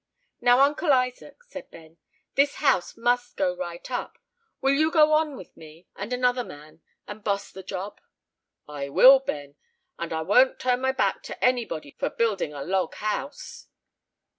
"Now, Uncle Isaac," said Ben, "this house must go right up. Will you go on with me and another man, and 'boss' the job?" "I will, Ben; and I won't turn my back to any body for building a log house."